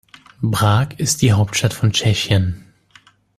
Prag ist die Hauptstadt von Tschechien.